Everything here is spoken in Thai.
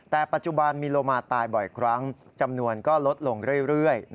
แต่ปัจจุบันมีโลมาตายบ่อยครั้งจำนวนก็ลดลงเรื่อย